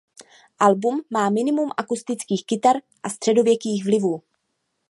Album má minimum akustických kytar a středověkých vlivů.